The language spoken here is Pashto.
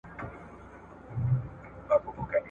د لرغونو مذهبونو له ختمېدو سره